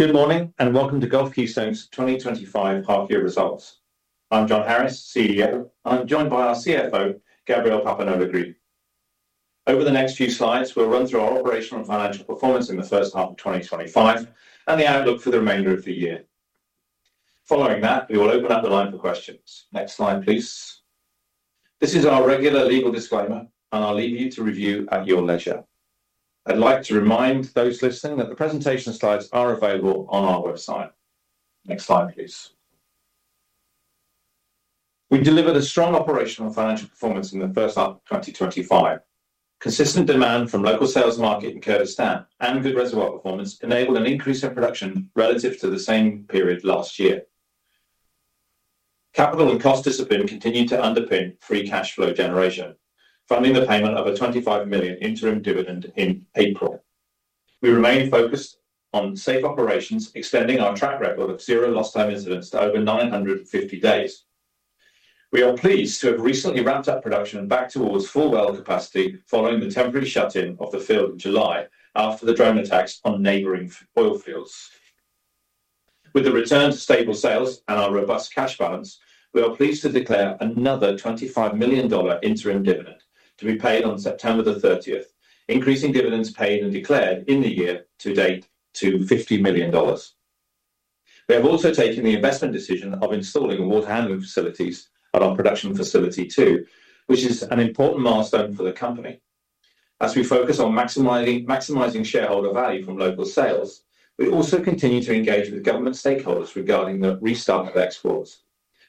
Good morning and welcome to Gulf Keystone's 2025 Half Year Results. I'm Jon Harris, CEO, and I'm joined by our CFO, Gabriel Papineau-Legris. Over the next few slides, we'll run through our operational and financial performance in the first half of 2025 and the outlook for the remainder of the year. Following that, we will open up the line for questions. Next slide, please. This is our regular legal disclaimer, and I'll leave you to review at your leisure. I'd like to remind those listening that the presentation slides are available on our website. Next slide, please. We delivered a strong operational and financial performance in the first half of 2025. Consistent demand from the local sales market in Kurdistan and good reservoir performance enabled an increase in production relative to the same period last year. Capital and cost discipline continued to underpin free cash flow generation, funding the payment of a BMD 25 million interim dividend in April. We remain focused on safe operations, extending our track record of zero lost time incidents to over 950 days. We are pleased to have recently ramped up production and back towards full well capacity following the temporary shutdown of the field in July after the drone attacks on neighboring oil fields. With the return to stable sales and our robust cash balance, we are pleased to declare another BMD 25 million interim dividend to be paid on September 30, increasing dividends paid and declared in the year to date to BMD 50 million. We have also taken the investment decision of installing water-handling facilities at our Production Facility 2, which is an important milestone for the company. As we focus on maximizing shareholder value from local sales, we also continue to engage with government stakeholders regarding the restart of exports,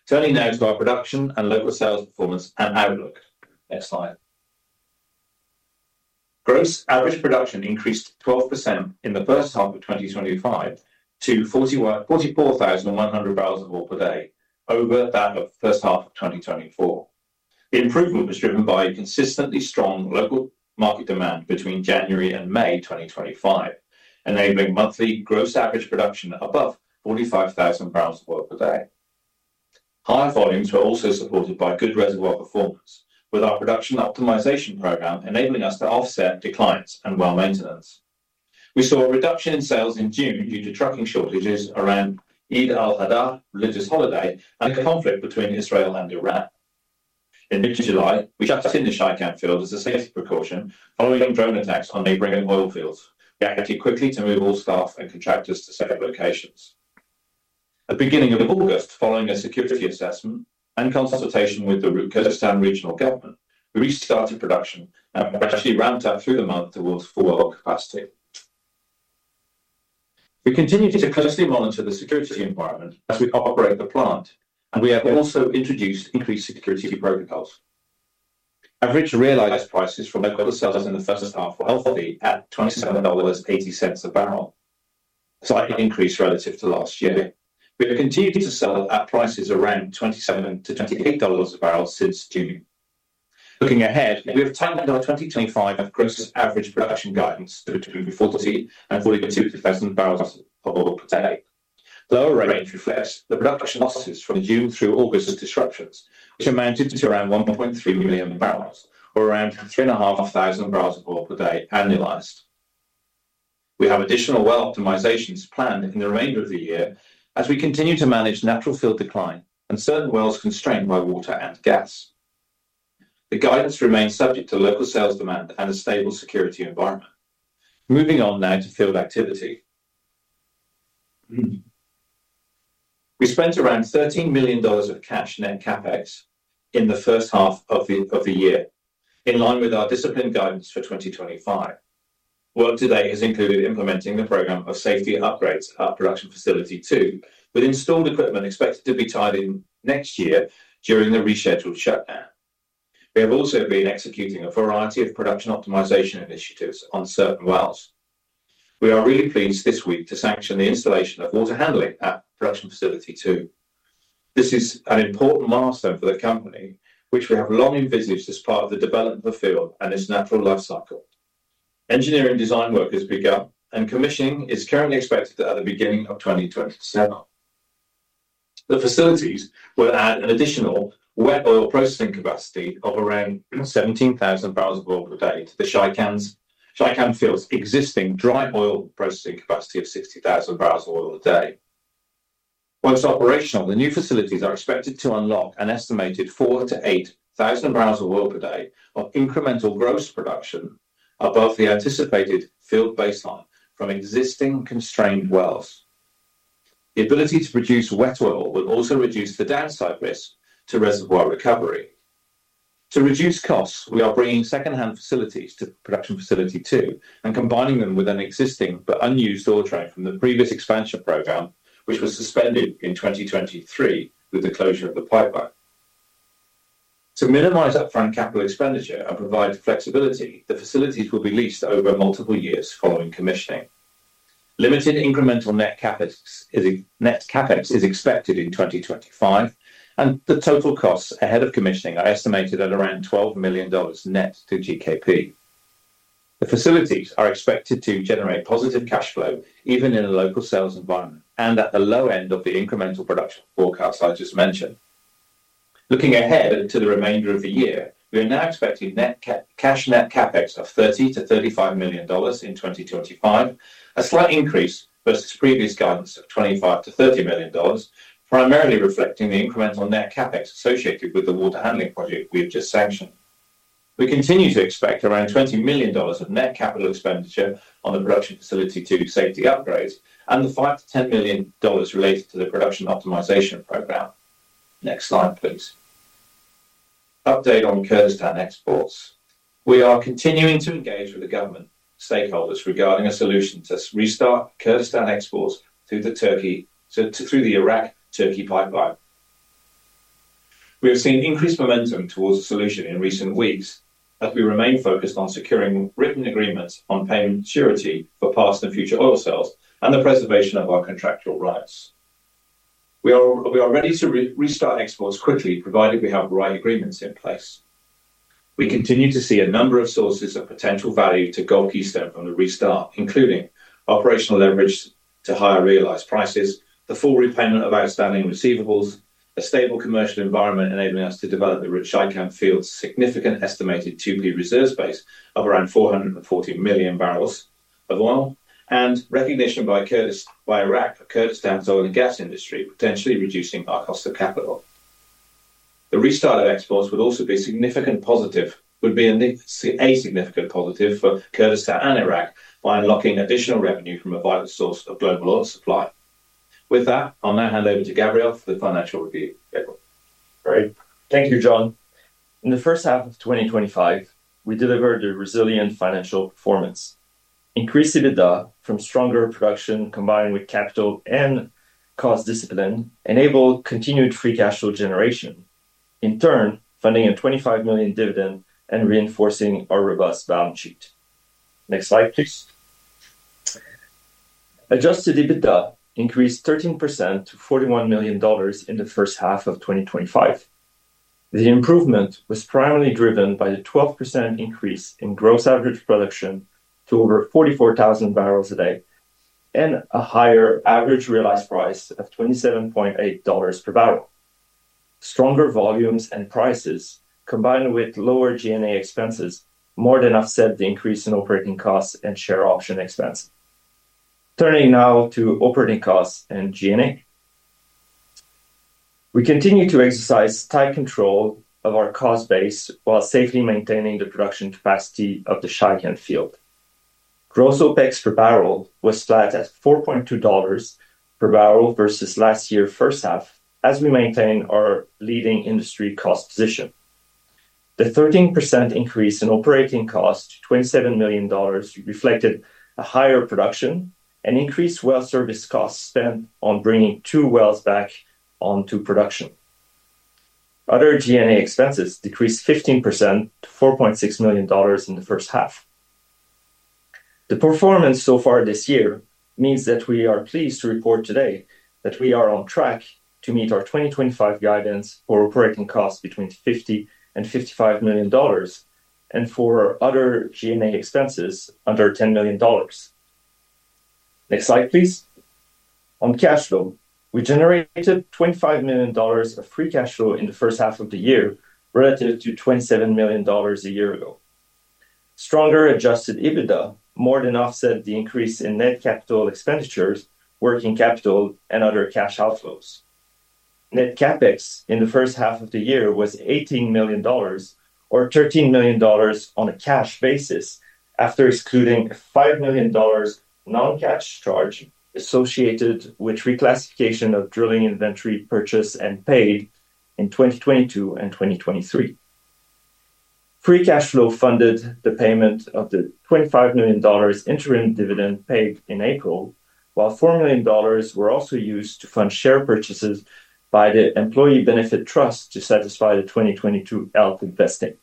turning now to our production and local sales performance and outlook. Next slide. Gross average production increased 12% in the first half of 2025 to 44,100 bbl of oil per day, over that of the first half of 2024. The improvement was driven by consistently strong local market demand between January and May 2025, enabling monthly gross average production above 45,000 bbl of oil per day. High volumes were also supported by good reservoir performance, with our production optimization program enabling us to offset declines and well maintenance. We saw a reduction in sales in June due to trucking shortages around Eid al-Adha, a religious holiday, and conflict between Israel and Iran. In mid-July, we shut the Shaikan Field as a safety precaution following drone attacks on neighboring oil fields, reacting quickly to move all staff and contractors to safe locations. At the beginning of August, following a security assessment and consultation with the Kurdistan Regional Government, we restarted production and progressively ramped up through the month towards full oil capacity. We continue to closely monitor the security environment as we operate the plant, and we have also introduced increased security protocols. Average realized prices for local sales in the first half of the year are BMD 27.80 a barrel, a slight increase relative to last year. We have continued to sell at prices around BMD 27-BMD 28 a barrel since June. Looking ahead, we have timed out 2025 with gross average production guidance between 40,000 bbl and 42,000 bbl of oil per day. Through regulatory press, the production losses from June through August disrupted, which amounted to around 1.3 million bbl, or around 2,500 bbl of oil per day annualized. We have additional well optimizations planned in the remainder of the year as we continue to manage natural field decline and certain wells constrained by water and gas. The guidance remains subject to local sales demand and a stable security environment. Moving on now to field activity. We spent around BMD 13 million of cash in headcount base in the first half of the year, in line with our disciplined guidance for 2025. Work to date has included implementing the program of safety upgrades at our Production Facility 2, with installed equipment expected to be tied in next year during the rescheduled shutdown. We have also been executing a variety of production optimization initiatives on certain wells. We are really pleased this week to sanction the installation of water handling at Production Facility 2. This is an important milestone for the company, which we have long envisaged as part of the development of the field and its natural lifecycle. Engineering design work has begun and commissioning is currently expected at the beginning of 2027. The facilities will add an additional wet oil processing capacity of around 17,000 bbl of oil per day to the Shaikan Field's existing dry oil processing capacity of 60,000 bbl of oil a day. Once operational, the new facilities are expected to unlock an estimated 4,000 bbl-8,000 bbl of oil per day of incremental gross production above the anticipated field baseline from existing constrained wells. The ability to produce wet oil will also reduce the downside risk to reservoir recovery. To reduce costs, we are bringing second-hand facilities to Production Facility 2 and combining them with an existing but unused oil track from the previous expansion program, which was suspended in 2023 with the closure of the pipeline. To minimize upfront capital expenditure and provide flexibility, the facilities will be leased over multiple years following commissioning. Limited incremental net CapEx is expected in 2025, and the total costs ahead of commissioning are estimated at around BMD 12 million net to GKP. Facilities are expected to generate positive cash flow even in a local sales environment and at the low end of the incremental production forecast I just mentioned. Looking ahead to the remainder of the year, we are now expecting cash net CapEx of BMD 30 million-BMD 35 million in 2025, a slight increase versus previous guidance of BMD 25 million-BMD 30 million, primarily reflecting the incremental net CapEx associated with the water handling project we have just sanctioned. We continue to expect around BMD20 million of net capital expenditure on the Production Facility 2 safety upgrades and the BMD 5 million-BMD 10 million related to the production optimization program. Next slide, please. Update on Kurdistan exports. We are continuing to engage with the government stakeholders regarding a solution to restart Kurdistan exports through the Iraq-Turkey Pipeline. We have seen increased momentum towards the solution in recent weeks as we remain focused on securing written agreements on paying maturity for past and future oil sales and the preservation of our contractual rights. We are ready to restart exports quickly provided we have the right agreements in place. We continue to see a number of sources of potential value to Gulf Keystone on the restart, including operational leverage to higher realized prices, the full repayment of outstanding receivables, a stable commercial environment enabling us to develop the Shaikan Field's significant estimated 2P reserve space of around 440 million bbl of oil and recognition by Iraq for Kurdistan's oil and gas industry, potentially reducing our cost of capital. The restart of exports would also be a significant positive for Kurdistan and Iraq by unlocking additional revenue from a vital source of global oil supply. With that, I'll now hand over to Gabriel for the financial review. Great. Thank you, Jon. In the first half of 2025, we delivered a resilient financial performance. Increased EBITDA from stronger production combined with capital and cost discipline enabled continued free cash flow generation, in turn funding a BMD 25 million dividend and reinforcing our robust balance sheet. Next slide, please. Adjusted EBITDA increased 13% to BMD 41 million in the first half of 2025. The improvement was primarily driven by the 12% increase in gross average production to over 44,000 bbl a day and a higher average realized price of BMD 27.8 per barrel. Stronger volumes and prices, combined with lower G&A expenses, more than offset the increase in operating costs and share option expense. Turning now to operating costs and G&A. We continue to exercise tight control of our cost base while safely maintaining the production capacity of the Shaikan Field. Gross OpEx per barrel was flat at BMD 4.2 per barrel versus last year's first half as we maintain our leading industry cost position. The 13% increase in operating costs, BMD 27 million, reflected higher production and increased well service costs spent on bringing two wells back onto production. Other G&A expenses decreased 15% to BMD 4.6 million in the first half. The performance so far this year means that we are pleased to report today that we are on track to meet our 2025 guidance for operating costs between BMD 50 million and BMD 55 million and for other G&A expenses under BMD 10 million. Next slide, please. On cash flow, we generated BMD 25 million of free cash flow in the first half of the year relative to BMD 27 million a year ago. Stronger adjusted EBITDA more than offset the increase in net capital expenditures, working capital, and other cash outflows. Net CapEx in the first half of the year was BMD 18 million, or BMD 13 million on a cash basis after excluding a BMD 5 million non-cash charge associated with reclassification of drilling inventory purchased and paid in 2022 and 2023. Free cash flow funded the payment of the BMD 25 million interim dividend paid in April, while BMD 4 million were also used to fund share purchases by the Employee Benefit Trust to satisfy the 2022 ELP vesting.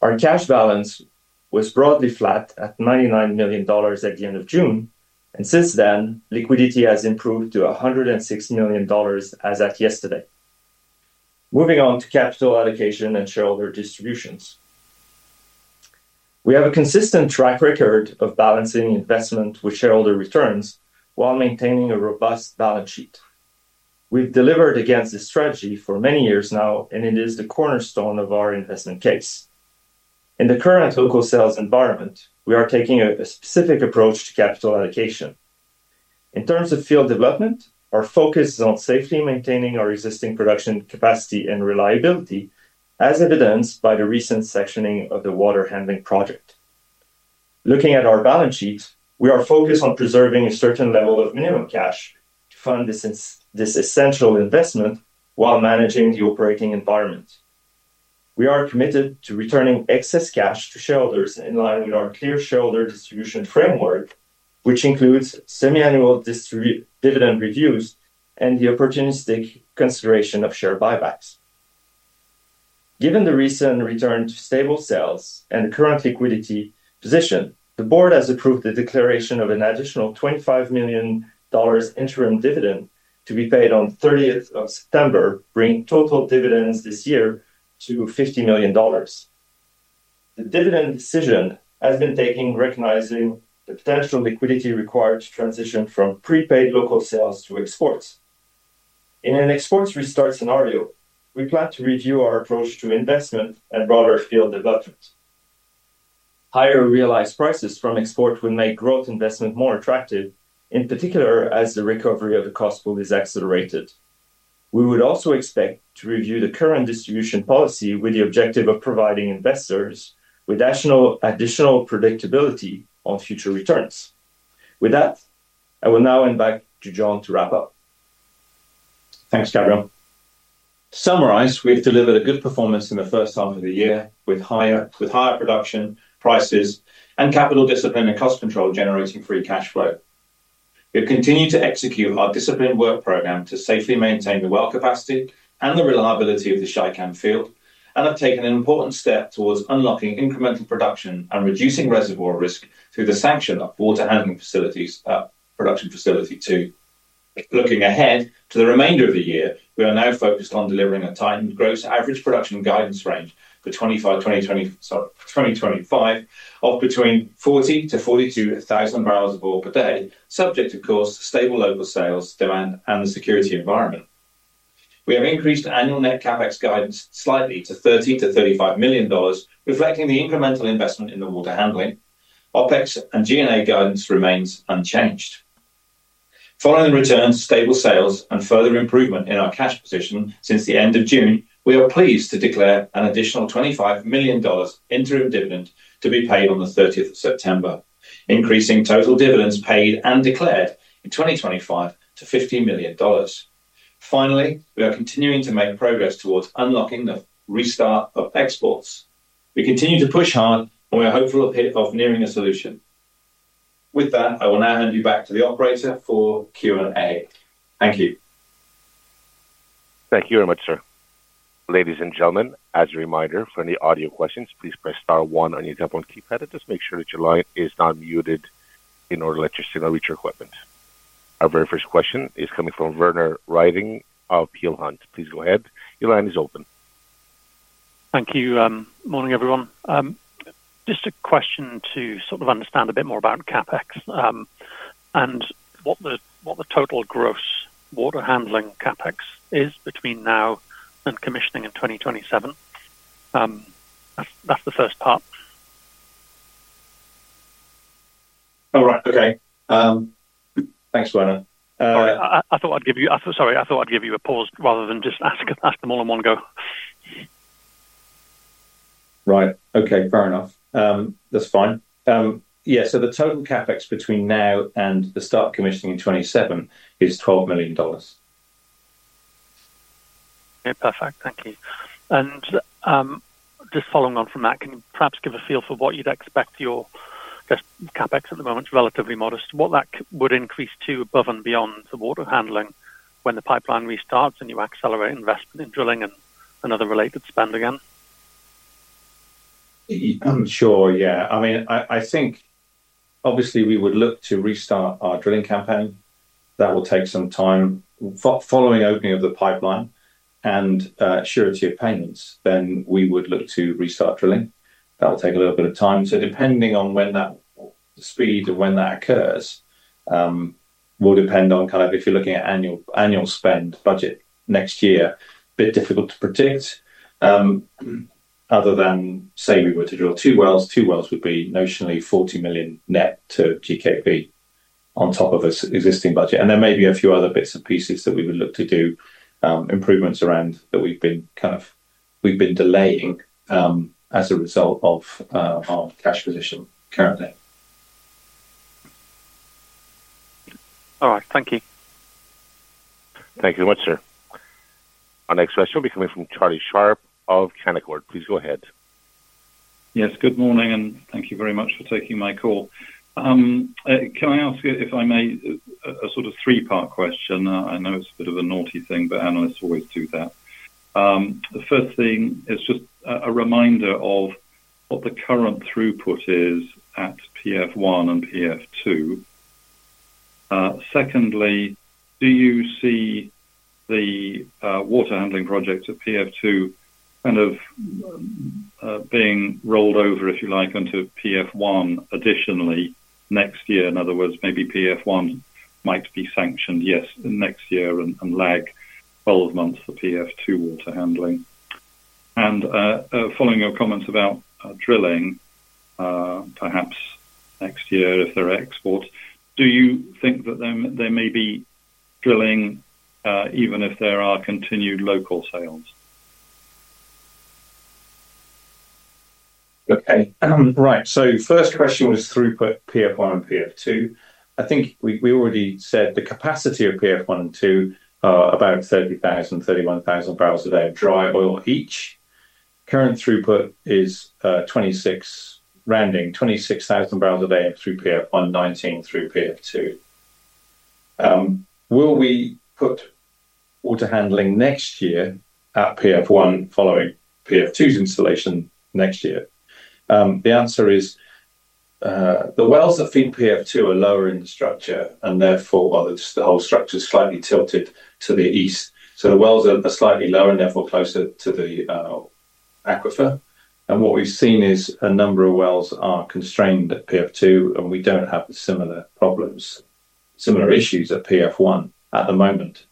Our cash balance was broadly flat at BMD 99 million at the end of June, and since then, liquidity has improved to BMD 106 million as at yesterday. Moving on to capital allocation and shareholder distributions. We have a consistent track record of balancing investment with shareholder returns while maintaining a robust balance sheet. We've delivered against this strategy for many years now, and it is the cornerstone of our investment case. In the current local sales environment, we are taking a specific approach to capital allocation. In terms of field development, our focus is on safely maintaining our existing production capacity and reliability, as evidenced by the recent sectioning of the water handling project. Looking at our balance sheets, we are focused on preserving a certain level of minimum cash to fund this essential investment while managing the operating environment. We are committed to returning excess cash to shareholders in line with our clear shareholder distribution framework, which includes semi-annual dividend reviews and the opportunistic consideration of share buybacks. Given the recent return to stable sales and the current liquidity position, the board has approved the declaration of an additional BMD 25 million interim dividend to be paid on the 30th of September, bringing total dividends this year to BMD 50 million. The dividend decision has been taken, recognizing the potential liquidity required to transition from prepaid local sales to exports. In an export restart scenario, we plan to review our approach to investment and broader field development. Higher realized prices from exports would make growth investment more attractive, in particular as the recovery of the cost pool is accelerated. We would also expect to review the current distribution policy with the objective of providing investors with additional predictability on future returns. With that, I will now hand back to Jon to wrap up. Thanks, Gabriel. To summarize, we've delivered a good performance in the first half of the year with higher production, prices, and capital discipline and cost control generating free cash flow. We've continued to execute our disciplined work program to safely maintain the well capacity and the reliability of the Shaikan Field, and have taken an important step towards unlocking incremental production and reducing reservoir risk through the sanction of water handling facilities at Production Facility 2. Looking ahead to the remainder of the year, we are now focused on delivering a tightened gross average production guidance range for 2025 of between 40,000 bbl-42,000 bbl of oil per day, subject, of course, to stable local sales demand and the security environment. We have increased annual net CapEx guidance slightly to BMD 30 million-BMD 35 million, reflecting the incremental investment in the water handling. OpEx and G&A guidance remains unchanged. Following the return to stable sales and further improvement in our cash position since the end of June, we are pleased to declare an additional BMD 25 million interim dividend to be paid on the 30th of September, increasing total dividends paid and declared in 2025 to BMD 50 million. Finally, we are continuing to make progress towards unlocking the restart of exports. We continue to push hard, and we are hopeful of nearing a solution. With that, I will now hand you back to the operator for Q&A. Thank you. Thank you very much, sir. Ladies and gentlemen, as a reminder, for any audio questions, please press star one on your tablet or keypad. Just make sure that your line is not muted in order to let your signal reach your equipment. Our very first question is coming from Werner Riding of Peel Hunt. Please go ahead. Your line is open. Thank you. Morning, everyone. Just a question to sort of understand a bit more about CapEx and what the total gross water handling CapEx is between now and commissioning in 2027. That's the first part. All right. Okay. Thanks, Werner. Sorry, I thought I'd give you a pause rather than just ask them all in one go. Right. Okay. Fair enough. That's fine. Yeah. The total CapEx between now and the start of commissioning in 2027 is BMD 12 million. Perfect. Thank you. Just following on from that, can you perhaps give a feel for what you'd expect your, I guess, CapEx at the moment? It's relatively modest. What that would increase to above and beyond the water handling when the pipeline restarts and you accelerate investment in drilling and other related spend again? I'm sure, yeah. I mean, I think obviously we would look to restart our drilling campaign. That will take some time following opening of the pipeline and surety of payments. We would look to restart drilling. That will take a little bit of time. Depending on when that speed or when that occurs will depend on kind of if you're looking at annual spend budget next year, a bit difficult to predict. Other than, say, we were to drill two wells, two wells would be notionally BMD 40 million net to GKP on top of this existing budget. There may be a few other bits and pieces that we would look to do improvements around that we've been kind of, we've been delaying as a result of our cash position currently. All right. Thank you. Thank you so much, sir. Our next question will be coming from Charlie Sharp of Canaccord. Please go ahead. Yes. Good morning, and thank you very much for taking my call. Can I ask you, if I may, a sort of three-part question? I know it's a bit of a naughty thing, but analysts always do that. The first thing is just a reminder of what the current throughput is at PF1 and PF2. Secondly, do you see the water handling project at PF2 kind of being rolled over, if you like, onto PF1 additionally next year? In other words, maybe PF1 might be sanctioned, yes, next year and lag 12 months for PF2 water handling. Following your comments about drilling, perhaps next year if there are exports, do you think that there may be drilling even if there are continued local sales? Okay. First question was throughput PF1 and PF2. I think we already said the capacity of PF1 and PF2 are about 30,000 bbl, 31,000 bbl a day of dry oil each. Current throughput is 26,000 bbl a day through PF1, 19,000 bbl through PF2. Will we put water handling next year at PF1 following PF2's installation next year? The answer is the wells that feed PF2 are lower in structure and therefore, the whole structure is slightly tilted to the east. The wells are slightly lower and therefore closer to the aquifer. What we've seen is a number of wells are constrained at PF2 and we don't have similar issues at PF1 at the moment.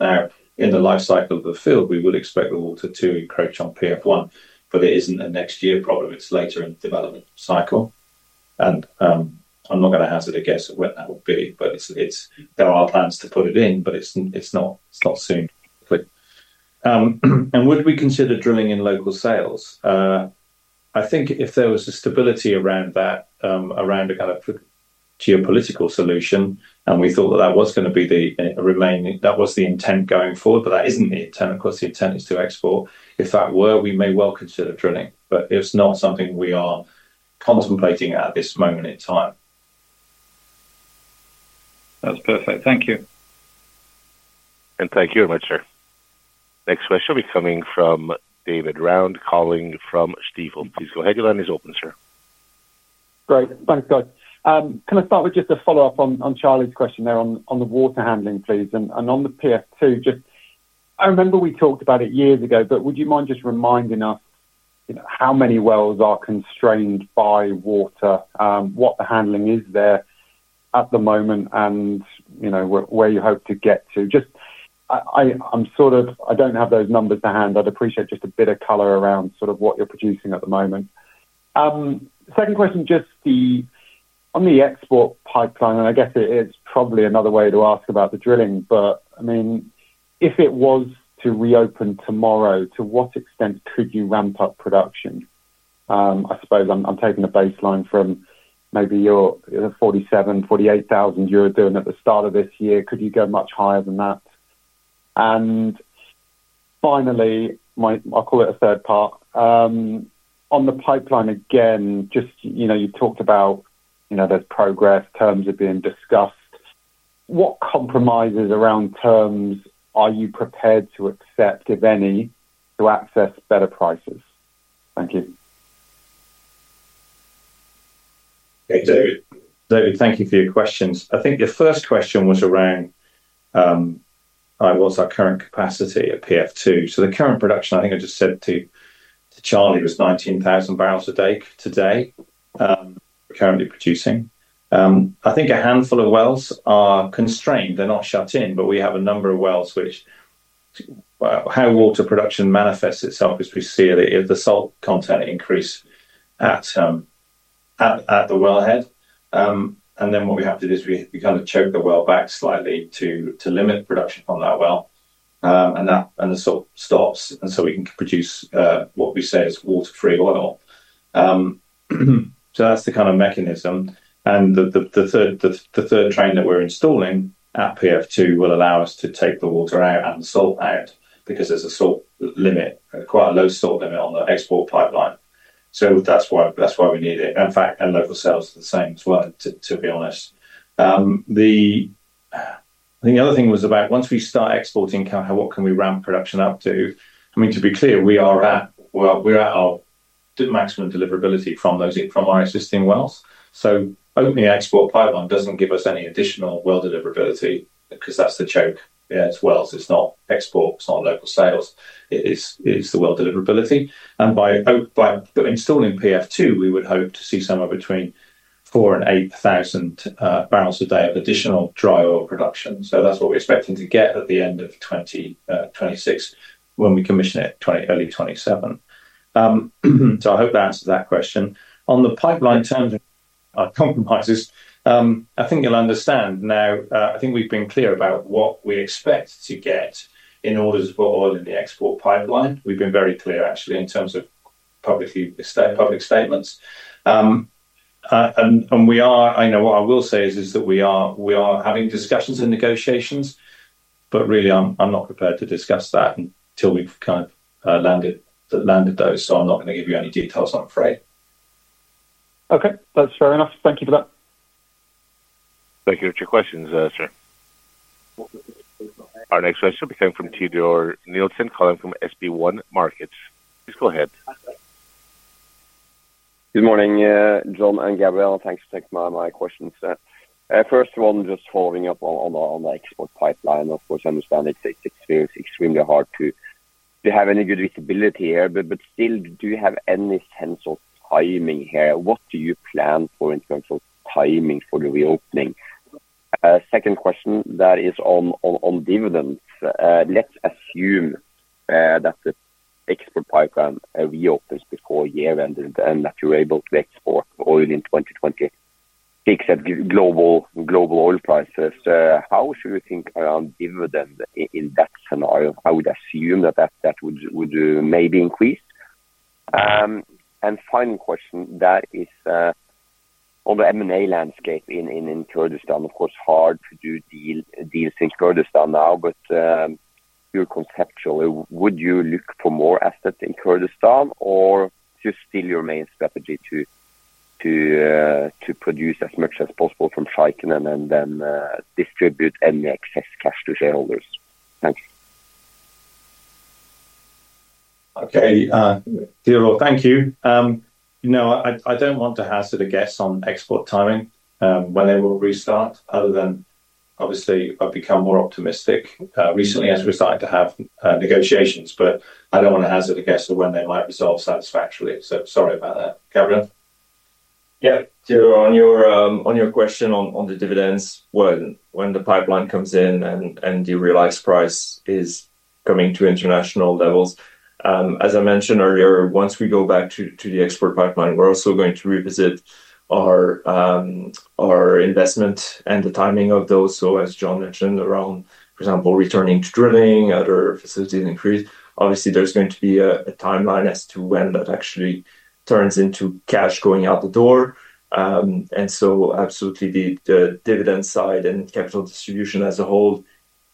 In the lifecycle of the field, we would expect the water to encroach on PF1, but it isn't a next-year problem. It's later in the development cycle. I'm not going to hazard a guess at what that will be, but there are plans to put it in, but it's not soon, hopefully. Would we consider drilling in local sales? I think if there was a stability around that, around a kind of geopolitical solution, and we thought that that was going to be the remaining intent going forward, but that isn't the intent. Of course, the intent is to export. If that were, we may well consider drilling, but it's not something we are contemplating at this moment in time. That's perfect. Thank you. Thank you very much, sir. Next question will be coming from David Round calling from Stifel. Please go ahead. Your line is open, sir. Great. Thanks, George. Can I start with just a follow-up on Charlie's question there on the water handling, please? On the PF2, I remember we talked about it years ago, but would you mind just reminding us how many wells are constrained by water, what the handling is there at the moment, and where you hope to get to? I don't have those numbers to hand. I'd appreciate just a bit of color around what you're producing at the moment. Second question, just on the export pipeline, and I guess it's probably another way to ask about the drilling, but if it was to reopen tomorrow, to what extent could you ramp up production? I suppose I'm taking a baseline from maybe your 47,000 bbl, 48,000 bbl you were doing at the start of this year. Could you go much higher than that? Finally, I'll call it a third part. On the pipeline again, you've talked about there's progress, terms are being discussed. What compromises around terms are you prepared to accept, if any, to access better prices? Thank you. Okay, David. Thank you for your questions. I think your first question was around, all right, what's our current capacity at PF2? The current production, I think I just said to Charlie, was 19,000 bbl a day today we're currently producing. I think a handful of wells are constrained. They're not shut in, but we have a number of wells which, how water production manifests itself is we see the salt content increase at the wellhead. What we have to do is we kind of choke the well back slightly to limit production on that well. The salt stops and we can produce what we say is water-free oil. That's the kind of mechanism. The third drain that we're installing at PF2 will allow us to take the water out and the salt out because there's a salt limit, quite a low salt limit on the export pipeline. That's why we need it. In fact, local sales are the same as well, to be honest. I think the other thing was about once we start exporting, how, what can we ramp production up to? To be clear, we are at our maximum deliverability from our existing wells. Opening an export pipeline doesn't give us any additional well deliverability because that's the joke. It's wells. It's not export. It's not local sales. It's the well deliverability. By installing PF2, we would hope to see somewhere between 4,000 bbl and 8,000 bbl a day of additional dry oil production. That's what we're expecting to get at the end of 2026 when we commission it early 2027. I hope that answers that question. On the pipeline terms and compromises, I think you'll understand now. I think we've been clear about what we expect to get in order to put oil in the export pipeline. We've been very clear, actually, in terms of public statements. What I will say is that we are having discussions and negotiations, but really, I'm not prepared to discuss that until we've kind of landed those. I'm not going to give you any details, I'm afraid. Okay, that's fair enough. Thank you for that. Thank you for your questions, sir. Our next question will be coming from Teodor Nilsen calling from SB1 Markets. Please go ahead. Good morning, Jon and Gabriel. Thanks for taking my questions. First of all, I'm just following up on the export pipeline. Of course, I understand it's extremely hard to have any good visibility here, but still, do you have any sense of timing here? What do you plan for in terms of timing for the reopening? Second question that is on dividends. Let's assume that the export pipeline reopens before year-end and that you're able to export oil in 2024, except global oil prices. How should we think around dividend in that scenario? I would assume that that would maybe increase. Final question that is on the M&A landscape in Kurdistan. Of course, hard to do deals in Kurdistan now, but pure conceptually, would you look for more assets in Kurdistan or just still your main strategy to produce as much as possible from Shaikan and then distribute any excess cash to shareholders? Thanks. Okay. Thank you. I don't want to hazard a guess on export timing, when they will restart, other than obviously I've become more optimistic recently as we're starting to have negotiations. I don't want to hazard a guess of when they might resolve satisfactorily. Sorry about that. Gabriel? Yeah. On your question on the dividends, when the pipeline comes in and the realized price is coming to international levels, as I mentioned earlier, once we go back to the export pipeline, we're also going to revisit our investment and the timing of those. As Jon mentioned around, for example, returning to drilling, other facilities increase, obviously there's going to be a timeline as to when that actually turns into cash going out the door. Absolutely, the dividend side and capital distribution as a whole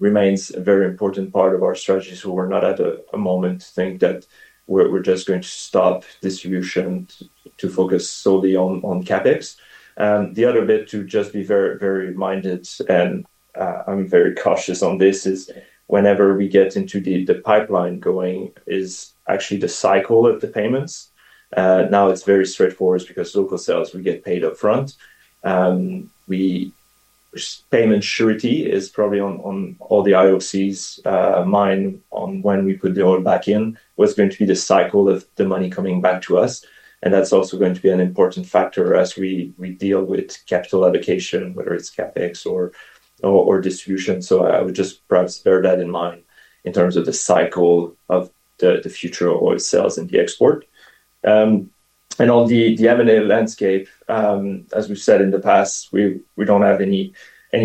remains a very important part of our strategy. We're not at a moment to think that we're just going to stop distribution to focus solely on CapEx. The other bit to just be very, very minded, and I'm very cautious on this, is whenever we get into the pipeline going, is actually the cycle of the payments. Now it's very straightforward because local sales will get paid upfront. Payment surety is probably on all the IOCs' mind on when we put the oil back in, what's going to be the cycle of the money coming back to us. That's also going to be an important factor as we deal with capital allocation, whether it's CapEx or distribution. I would just perhaps bear that in mind in terms of the cycle of the future oil sales and the export. On the M&A landscape, as we've said in the past, we don't have any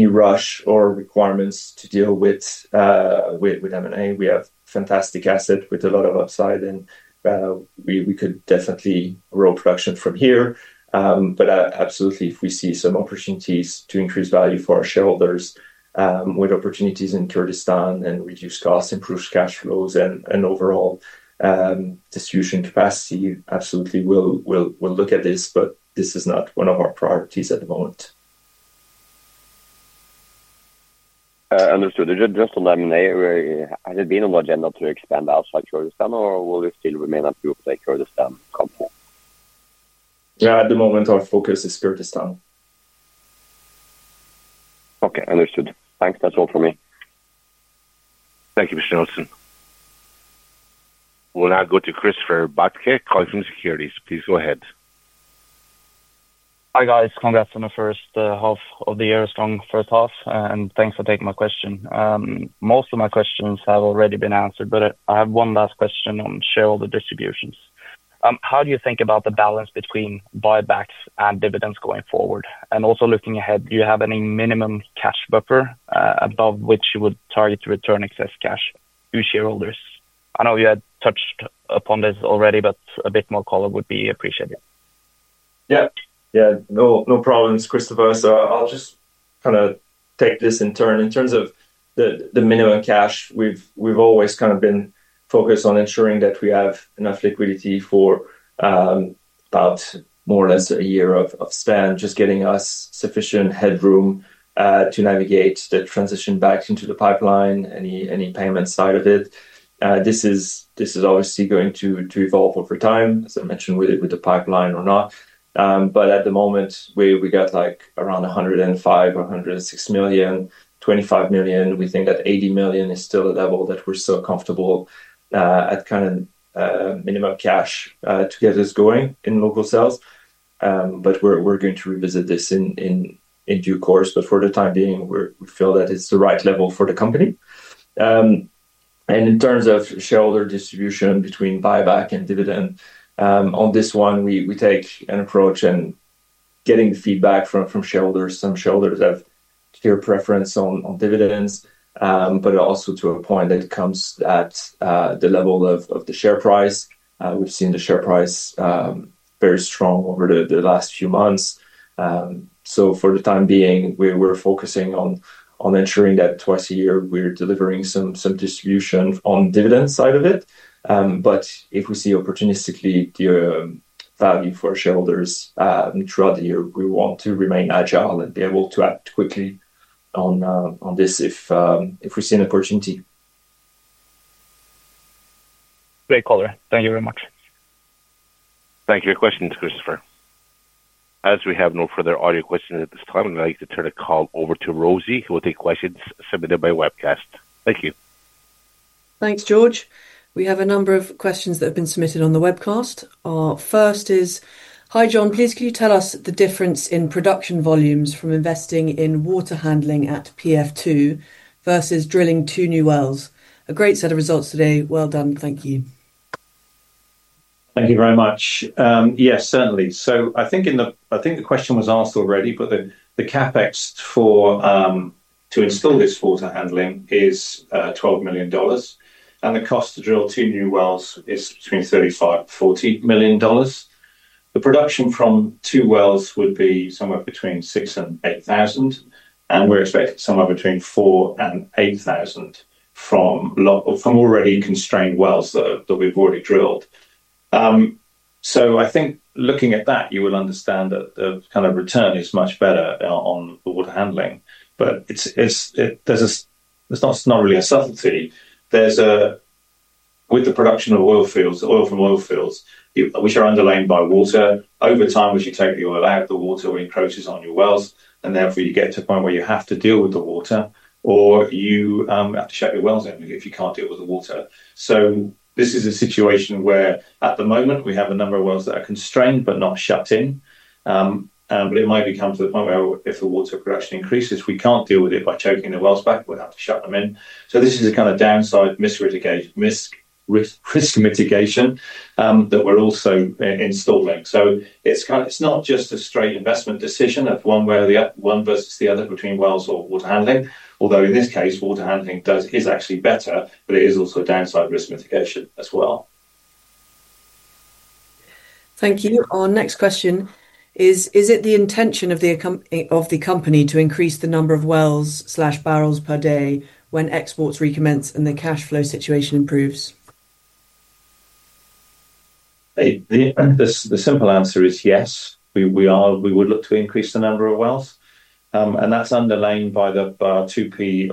rush or requirements to deal with M&A. We have fantastic assets with a lot of upside, and we could definitely grow production from here. Absolutely, if we see some opportunities to increase value for our shareholders with opportunities in Kurdistan and reduce costs, improve cash flows, and overall distribution capacity, absolutely we'll look at this, but this is not one of our priorities at the moment. Understood. Just to laminate, has it been on the agenda to expand outside Kurdistan, or will it still remain at the Kurdistan company? Yeah, at the moment, our focus is Kurdistan. Okay, understood. Thanks. That's all for me. Thank you, Mr. Nilsen. We'll now go to Christoffer Bachke calling from Clarksons Securities. Please go ahead. Hi guys, congrats on the first half of the year, strong first half, and thanks for taking my question. Most of my questions have already been answered, but I have one last question on shareholder distributions. How do you think about the balance between buybacks and dividends going forward? Also, looking ahead, do you have any minimum cash buffer above which you would target to return excess cash to shareholders? I know you had touched upon this already, but a bit more color would be appreciated. Yeah, yeah, no problems, Christoffer. I'll just take this in turn. In terms of the minimum cash, we've always been focused on ensuring that we have enough liquidity for about more or less a year of spend, just getting us sufficient headroom to navigate the transition back into the pipeline, any payment side of it. This is obviously going to evolve over time, as I mentioned, with the pipeline or not. At the moment, we've got around BMD 105 million or BMD 106 million, BMD 25 million. We think that BMD 80 million is still a level that we're comfortable at, kind of minimum cash to get us going in local sales. We're going to revisit this in due course. For the time being, we feel that it's the right level for the company. In terms of shareholder distribution between buyback and dividend, on this one, we take an approach and get the feedback from shareholders. Some shareholders have clear preference on dividends, but also to a point that comes at the level of the share price. We've seen the share price very strong over the last few months. For the time being, we're focusing on ensuring that twice a year we're delivering some distribution on the dividend side of it. If we see opportunistically the value for shareholders throughout the year, we want to remain agile and be able to act quickly on this if we see an opportunity. Great caller, thank you very much. Thank you for your questions, Christoffer. As we have no further audio questions at this time, I'd like to turn the call over to Rosie, who will take questions submitted by webcast. Thank you. Thanks, George. We have a number of questions that have been submitted on the webcast. Our first is, "Hi Jon, please can you tell us the difference in production volumes from investing in water handling at PF2 versus drilling two new wells? A great set of results today. Well done. Thank you. Thank you very much. Yes, certainly. I think the question was asked already, but the CapEx to install this water handling is BMD 12 million, and the cost to drill two new wells is between BMD 35 million and BMD 40 million. The production from two wells would be somewhere between 6,000 bbl and 8,000 bbl, and we're expecting somewhere between 4,000 bbl and 8,000 bbl from already constrained wells that we've already drilled. Looking at that, you will understand that the kind of return is much better on the water handling. It's not really a subtlety. With the production of oil fields, oil from oil fields which are underlain by water, over time, as you take the oil out, the water encroaches on your wells, and therefore you get to a point where you have to deal with the water or you have to shut your wells in if you can't deal with the water. This is a situation where at the moment we have a number of wells that are constrained but not shut in. It might become to the point where if the water production increases, we can't deal with it by choking the wells back. We'll have to shut them in. This is a kind of downside risk mitigation that we're also installing. It's not just a straight investment decision of one versus the other between wells or water handling, although in this case, water handling is actually better, but it is also a downside risk mitigation as well. Thank you. Our next question is, "Is it the intention of the company to increase the number of wells/bbl per day when exports recommence and the cash flow situation improves? The simple answer is yes. We would look to increase the number of wells. That's underlain by our 2P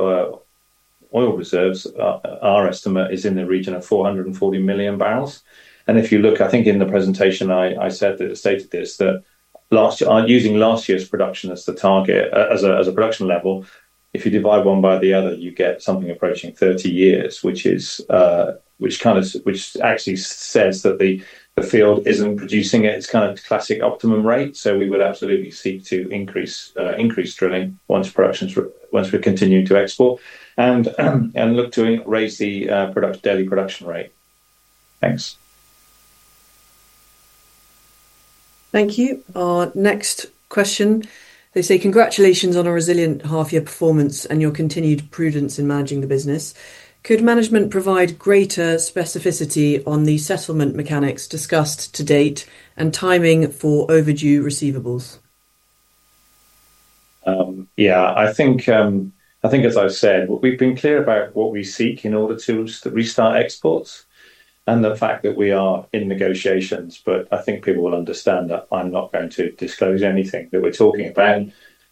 oil reserves. Our estimate is in the region of 440 million bbl. If you look, I think in the presentation, I stated this, that using last year's production as the target as a production level, if you divide one by the other, you get something approaching 30 years, which kind of actually says that the field isn't reducing its kind of classic optimum rate. We would absolutely seek to increase drilling once we continue to export and look to raise the daily production rate. Thanks. Thank you. Our next question, they say, "Congratulations on a resilient half-year performance and your continued prudence in managing the business. Could management provide greater specificity on the settlement mechanics discussed to date and timing for overdue receivables? I think, as I've said, we've been clear about what we seek in order to restart exports and the fact that we are in negotiations. I think people will understand that I'm not going to disclose anything that we're talking about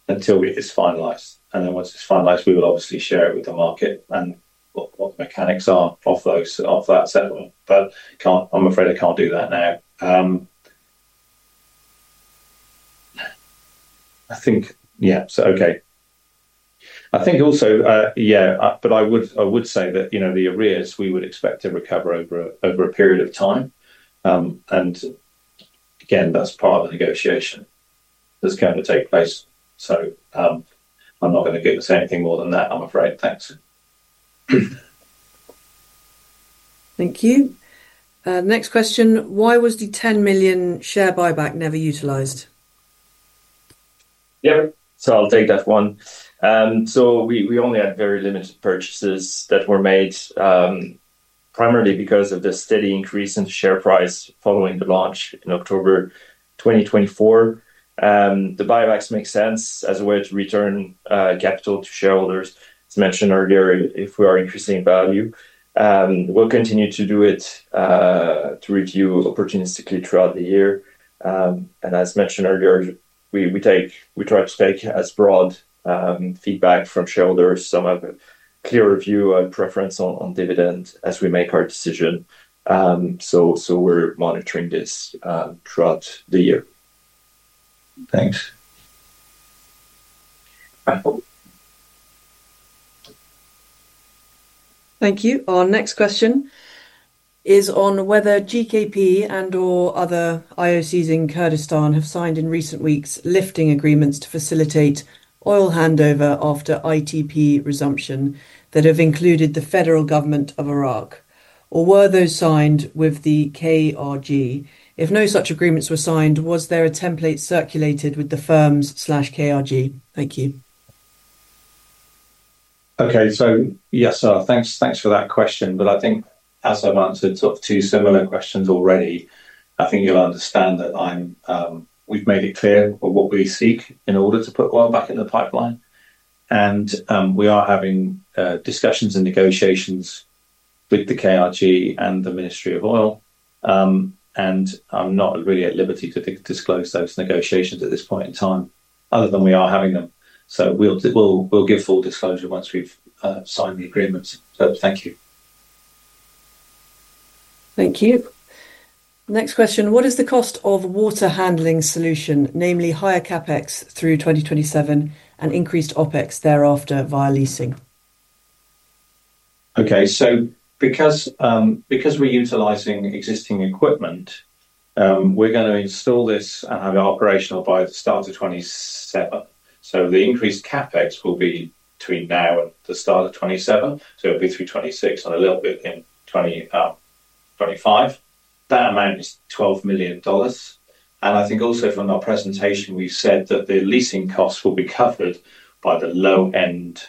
until it's finalized. Once it's finalized, we will obviously share it with the market. The mechanics of that, I'm afraid I can't do that now. I think also, I would say that the arrears we would expect to recover over a period of time. Again, that's part of the negotiation that's going to take place. I'm not going to say anything more than that, I'm afraid. Thanks. Thank you. Next question, "Why was the BMD 10 million share buyback never utilized? Yeah, I'll take that one. We only had very limited purchases that were made primarily because of the steady increase in share price following the launch in October 2024. The buybacks make sense as a way to return capital to shareholders, as mentioned earlier, if we are increasing value. We'll continue to review opportunistically throughout the year. As mentioned earlier, we try to take as broad feedback from shareholders, some of a clearer view and preference on dividend as we make our decision. We're monitoring this throughout the year. Thanks. Thank you. Our next question is on whether GKP and/or other IOCs in Kurdistan have signed in recent weeks lifting agreements to facilitate oil handover after ITP resumption that have included the Federal Government of Iraq, or were those signed with the KRG If no such agreements were signed, was there a template circulated with the firms/KRG? Thank you. Yes, sir. Thanks for that question. I think as I've answered two similar questions already, you'll understand that we've made it clear what we seek in order to put oil back in the pipeline. We are having discussions and negotiations with the KRG and the Ministry of Oil. I'm not really at liberty to disclose those negotiations at this point in time, other than we are having them. We'll give full disclosure once we've signed the agreement. Thank you. Thank you. Next question, "What is the cost of water handling solution, namely higher CapEx through 2027 and increased OpEx thereafter via leasing? Okay, because we're utilizing existing equipment, we're going to install this and have it operational by the start of 2027. The increased CapEx will be between now and the start of 2027. It'll be through 2026 and a little bit in 2025. That amount is BMD 12 million. I think also from our presentation, we said that the leasing costs will be covered by the low-end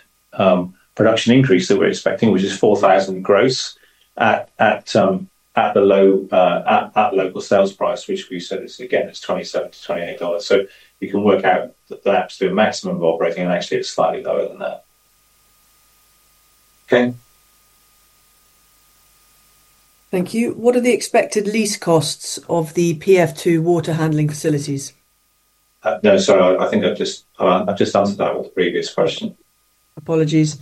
production increase that we're expecting, which is BMD 4,000 gross at the low local sales price, which we said is, again, it's BMD 27 to BMD 28. You can work out that the absolute maximum of operating activity is slightly lower than that. Okay. Thank you. What are the expected lease costs of the PF2 water handling facilities? No, sorry, I think I've just answered that with the previous question. Apologies.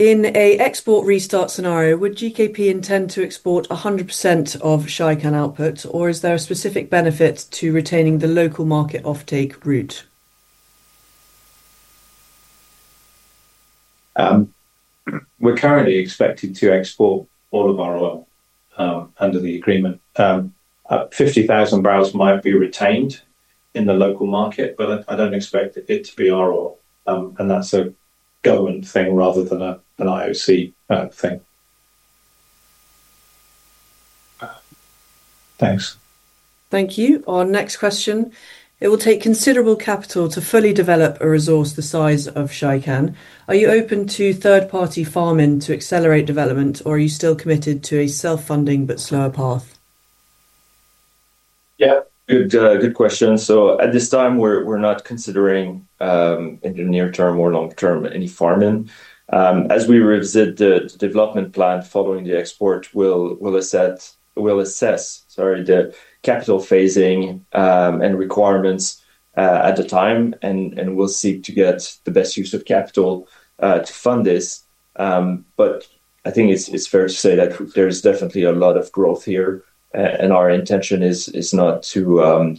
In an export restart scenario, would GKP intend to export 100% of Shaikan output, or is there a specific benefit to retaining the local market offtake route? We're currently expected to export all of our oil under the agreement. 50,000 bbl might be retained in the local market, but I don't expect it to be our oil. That's a government thing rather than an IOC thing. Thanks. Thank you. Our next question, "It will take considerable capital to fully develop a resource the size of Shaikan. Are you open to third-party farming to accelerate development, or are you still committed to a self-funding but slower path? Good question. At this time, we're not considering in the near term or long term any farming. As we revisit the development plan following the export, we'll assess the capital phasing and requirements at the time, and we'll seek to get the best use of capital to fund this. I think it's fair to say that there's definitely a lot of growth here, and our intention is not to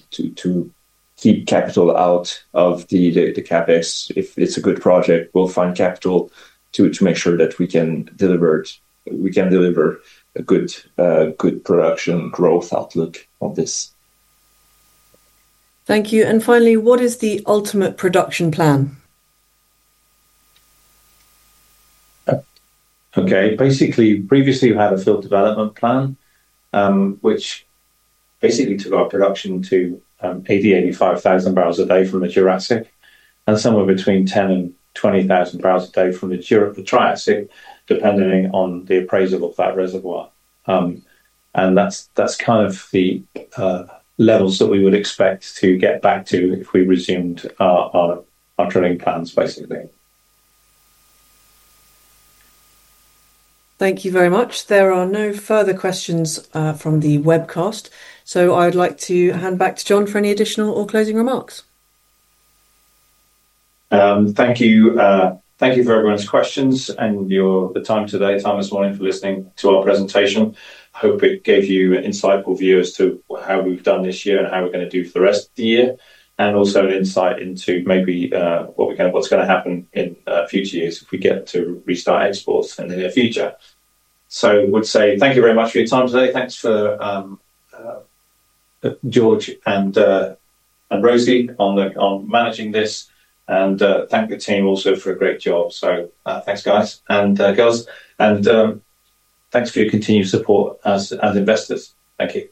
keep capital out of the CapEx. If it's a good project, we'll find capital to make sure that we can deliver a good production growth outlook of this. Thank you. Finally, "What is the ultimate production plan? Okay, basically, previously we had a field development plan, which basically took our production to 80,000 bbl, 85,000 bbl a day from the Jurassic and somewhere between 10,000 bbl and 20,000 bbl a day from the Triassic, depending on the appraisal of that reservoir. That's kind of the levels that we would expect to get back to if we resumed our drilling plans, basically. Thank you very much. There are no further questions from the webcast. I'd like to hand back to Jon for any additional or closing remarks. Thank you. Thank you for everyone's questions and your time today, Thomas and Warren, for listening to our presentation. I hope it gave you an insightful view as to how we've done this year and how we're going to do for the rest of the year, and also an insight into maybe what's going to happen in future years if we get to restart exports in the near future. I would say thank you very much for your time today. Thanks to George and Rosie for managing this, and thank the team also for a great job. Thanks, guys and girls, and thanks for your continued support as investors. Thank you.